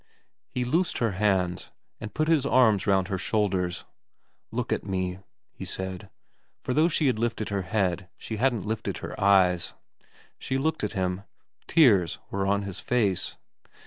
He loosed her hands, and put his arms round her shoulders. * Look at me,' he said ; for though she had lifted her head she hadn't lifted her eyes. She looked at him. Tears were on his face.